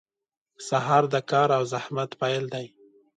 • سهار د کار او زحمت پیل دی.